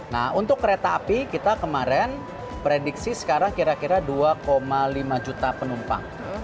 nah untuk kereta api kita kemarin prediksi sekarang kira kira dua lima juta penumpang